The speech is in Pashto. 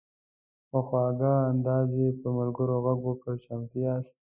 په خواږه انداز یې پر ملګرو غږ وکړ: "چمتو یاست؟"